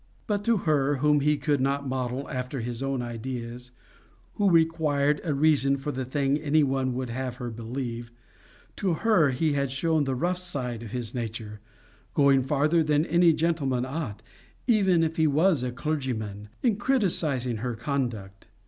But to her, whom he could not model after his own ideas, who required a reason for the thing anyone would have her believe to her he had shown the rough side of his nature, going farther than any gentleman ought, even if he was a clergyman, in criticizing her conduct.